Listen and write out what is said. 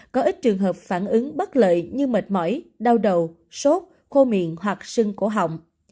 có ít trường hợp phản ứng bất lợi như mệt mỏi đau đầu sốt khô miệng hoặc sưng cổ họng